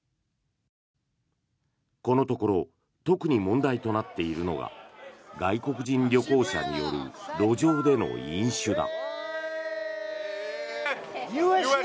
このところ特に問題となっているのが外国人旅行者による路上での飲酒だ。